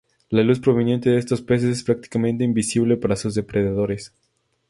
La luz proveniente de estos peces es prácticamente invisible para sus depredadores.